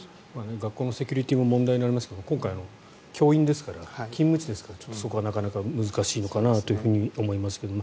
学校のセキュリティーも問題になりますけど今回、教員ですから勤務地ですからそこはなかなか難しいのかなと思いますけれども。